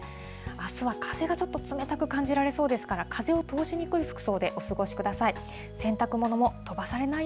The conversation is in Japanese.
あすは風がちょっと冷たく感じられそうですから、風を通しにくい服装でお過ごしください。